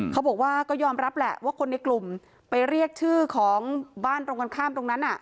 เขาบอกว่าก็ยอมรับแหละว่าคนในกลุ่มไปเรียกชื่อของบ้านตรงกันข้ามตรงนั้น